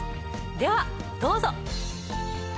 ではどうぞ。